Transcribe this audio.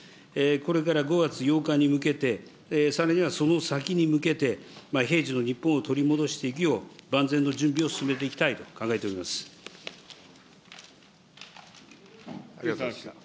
これから５月８日に向けて、さらにはその先に向けて、平時の日本を取り戻していくよう、万全の準備を進めていきたいと考ありがとうございました。